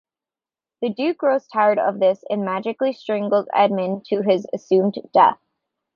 The Duke grows tired of this and magically strangles Edmond to his assumed death.